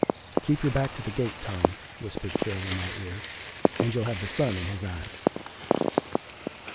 "Keep your back to the gate, Tom," whispered Phil in my car, "and you'll have the sun in his eyes."